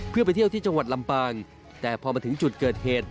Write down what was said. เพื่อไปเที่ยวที่จังหวัดลำปางแต่พอมาถึงจุดเกิดเหตุ